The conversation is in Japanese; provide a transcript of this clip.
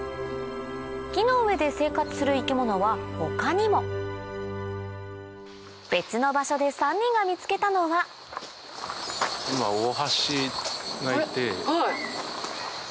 木の上で生活する生き物は他にも別の場所で３人が見つけたのははい。